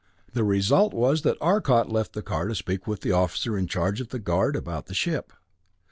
The result was that Arcot left the car to speak to the officer in charge of the guard about the ship.